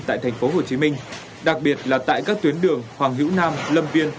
tại thành phố hồ chí minh đặc biệt là tại các tuyến đường hoàng hữu nam lâm viên